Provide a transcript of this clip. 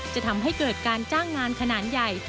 จะทำให้เกิดการจ้างงานขนาดใหญ่